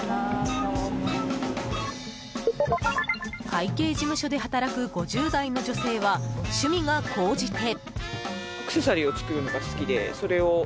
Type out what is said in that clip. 会計事務所で働く５０代の女性は趣味が高じて。